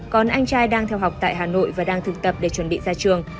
còn anh trai đang theo học tại hà nội và đang thực tập để chuẩn bị ra trường